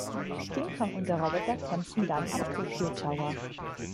King Kong und der Roboter kämpfen dann am Tokio Tower.